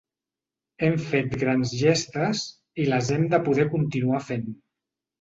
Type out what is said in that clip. Hem fet grans gestes i les hem de poder continuar fent.